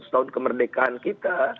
seratus tahun kemerdekaan kita